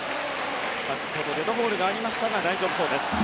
先ほどデッドボールがありましたが大丈夫そうです。